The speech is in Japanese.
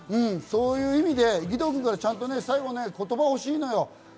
そういう意味で義堂君からちゃんと最後、言葉が欲しいのよ。